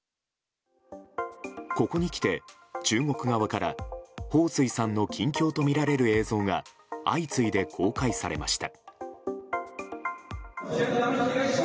ここにきて中国側からホウ・スイさんの近況とみられる映像が相次いで公開されました。